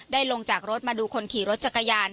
ลงจากรถมาดูคนขี่รถจักรยาน